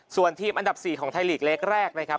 ส่วนทีมอันดับ๔ของไทยลีกเล็กแรกนะครับ